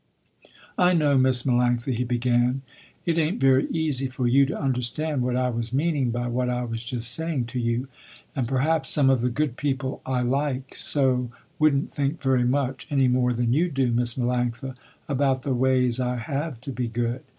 "I know Miss Melanctha" he began, "It ain't very easy for you to understand what I was meaning by what I was just saying to you, and perhaps some of the good people I like so wouldn't think very much, any more than you do, Miss Melanctha, about the ways I have to be good.